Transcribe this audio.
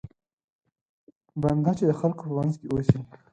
بنده چې د خلکو په منځ کې اوسي.